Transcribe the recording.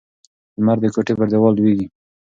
لمر د کوټې پر دیوال لوېږي.